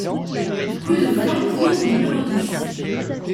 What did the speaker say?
Rue de Flancourt au numéro dix